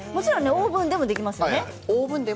オーブンでもできます。